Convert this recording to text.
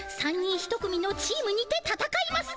３人１組のチームにてたたかいます。